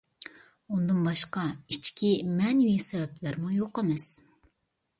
ئۇندىن باشقا، ئىچكى مەنىۋى سەۋەبلەرمۇ يوق ئەمەس.